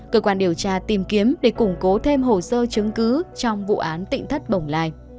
cơ quan điều tra tìm kiếm để củng cố thêm hồ sơ chứng cứ trong vụ án tịnh thất bồng lai